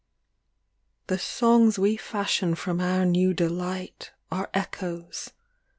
LXVI The songs we fashion from our new delight Are echoes.